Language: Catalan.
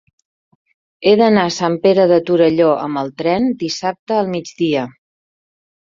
He d'anar a Sant Pere de Torelló amb tren dissabte al migdia.